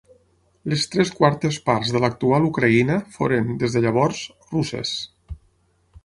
Les tres quartes parts de l'actual Ucraïna foren, des de llavors, russes.